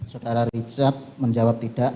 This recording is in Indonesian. saudara richard menjawab tidak